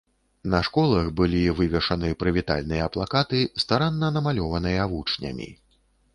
На школах былі вывешаны прывітальныя плакаты, старанна намалёваныя вучнямі.